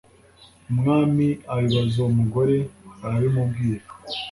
umwami abibaza uwo mugore arabimubwira